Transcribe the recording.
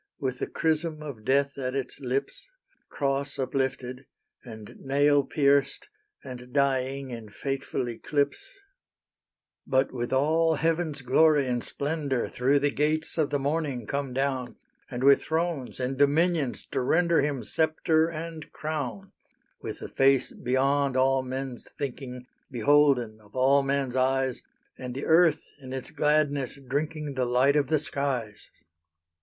With the chrysm of death at its lips; Cross uplifted, and nail pierced, and dying In fateful eclipse: But with all heaven's glory and splendour Through the gates of the morning come down, And with thrones and dominions to render Him sceptre and crown! With the Face beyond all men's thinking, Beholden of all men's eyes; And the earth in its gladness drinking The light of the skies.